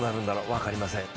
分かりません。